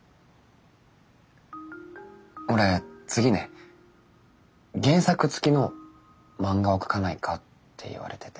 俺次ね原作付きの漫画を描かないかって言われてて。